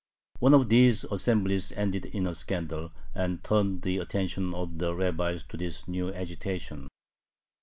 One of these assemblies ended in a scandal, and turned the attention of the rabbis to this new agitation.